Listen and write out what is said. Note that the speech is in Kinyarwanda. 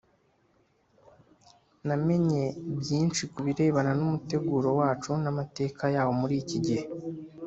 Namenye byinshi ku birebana n umuteguro wacu n amateka yawo muri iki gihe